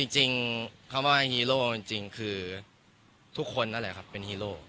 จริงคำว่าฮีโร่จริงคือทุกคนนั่นแหละครับเป็นฮีโร่